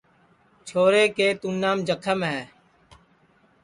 چھورے کُے تُونام جکھم ہے